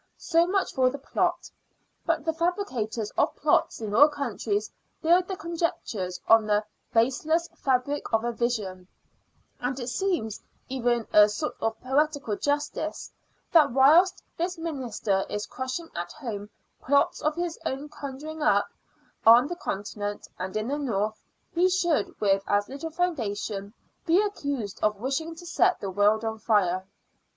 So much for the plot. But the fabricators of plots in all countries build their conjectures on the "baseless fabric of a vision;" and it seems even a sort of poetical justice, that whilst this Minister is crushing at home plots of his own conjuring up, on the Continent, and in the north, he should, with as little foundation, be accused of wishing to set the world on fire.